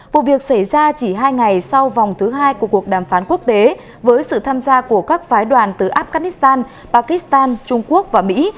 vụ việc xảy ra chỉ hai ngày sau vòng thứ hai của cuộc đàm phán quốc tế với sự tham gia của các phái đoàn từ afghanistan pakistan trung quốc và mỹ